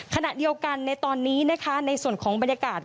ขณะเดียวกันในตอนนี้นะคะในส่วนของบรรยากาศ